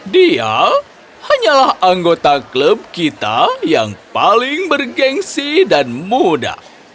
dia hanyalah anggota klub kita yang paling bergensi dan muda